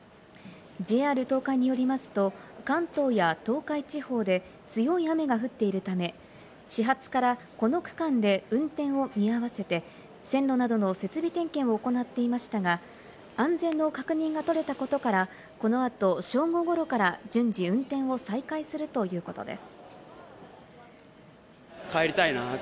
ＪＲ東海によりますと、関東や東海地方で強い雨が降っているため、始発からこの区間で運転を見合わせて、線路などの設備点検を行っていましたが、安全の確認が取れたことから、この後、正午ごろから順次、運転を再開するということです。